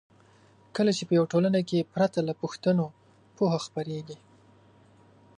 کله چې په یوه ټولنه کې پرته له پوښتنو پوهه خپریږي.